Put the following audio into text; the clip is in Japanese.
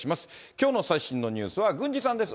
きょうの最新のニュースは、郡司さんです。